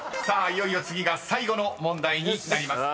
いよいよ次が最後の問題になります］